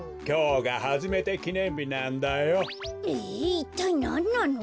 いったいなんなの？